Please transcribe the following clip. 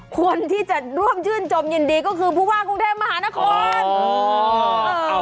ควรที่จะร่วมชื่นชมยินดีก็คือผู้ว่ากรุงเทพมหานคร